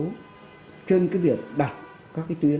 nhưng cái việc đặt các cái tuyến